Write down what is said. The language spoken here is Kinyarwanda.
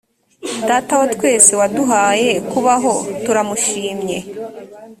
data wa twese waduhaye kubaho turamushimye